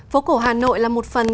phố cổ hà nội là một phần